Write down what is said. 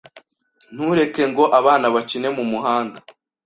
Ntureke ngo abana bakine mumuhanda.